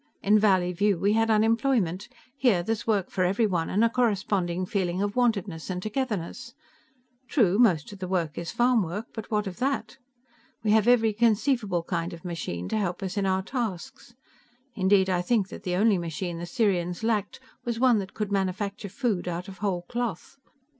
In Valleyview, we had unemployment. Here, there is work for everyone, and a corresponding feeling of wantedness and togetherness. True, most of the work is farmwork, but what of that? We have every conceivable kind of machine to help us in our tasks. Indeed, I think that the only machine the Sirians lacked was one that could manufacture food out of whole cloth.